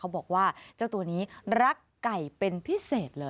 บอกว่าเจ้าตัวนี้รักไก่เป็นพิเศษเลย